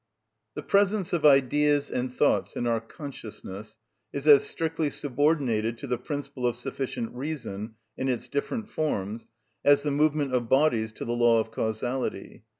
The presence of ideas and thoughts in our consciousness is as strictly subordinated to the principle of sufficient reason in its different forms as the movement of bodies to the law of causality.